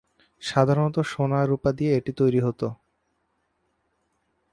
সাধারণতঃ সোনা, রূপা দিয়ে এটি তৈরী হতো।